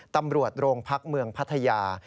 ตำรวจโรงพักเมืองพัทยา